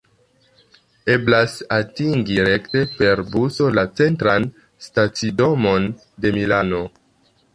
Eblas atingi rekte per buso la Centran Stacidomon de Milano.